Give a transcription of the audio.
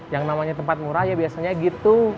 yang namanya tempat murah ya biasanya gitu